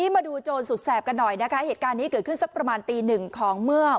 มาดูโจรสุดแสบกันหน่อยนะคะเหตุการณ์นี้เกิดขึ้นสักประมาณตีหนึ่งของเมื่อ